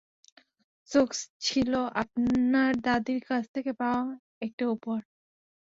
সোকস ছিলো আপনার দাদীর কাছ থেকে পাওয়া একটা উপহার।